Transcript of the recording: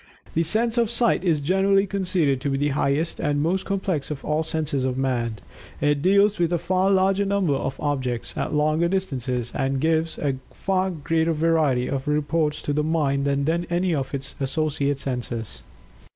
The sense of Sight is generally conceded to be the highest and most complex of all the senses of Man. It deals with a far larger number of objects at longer distances and gives a far greater variety of reports to the mind than any of its associate senses.